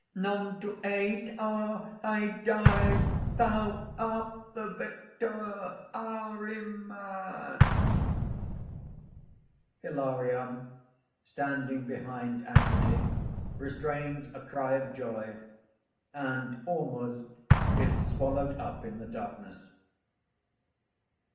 none to aid! Ah! I die! Thou art the victor, Ahriman!" (Hilarion, standing behind Anthony, restrains a cry of joy; and ORMUZD _is swallowed up in the darkness.